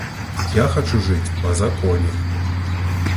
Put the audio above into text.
Я хачу жыць па законе.